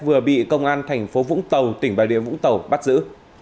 vừa bị công an thành phố vũng tàu tỉnh bà rịa vũng tàu bắt giữ